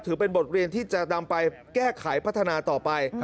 ถือเป็นบทเรียนที่จะนำไปแก้ไขพัฒนาต่อไป